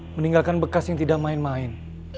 meninggalkan bekas yang tidak main main